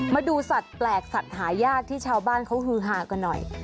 มาดูสัตว์แปลกสัตว์หายากที่ชาวบ้านเขาฮือหากันหน่อย